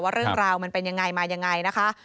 เรื่องราวมันเป็นยังไงมายังไงนะคะ